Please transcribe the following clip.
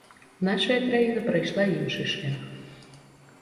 Нашая краіна прайшла іншы шлях.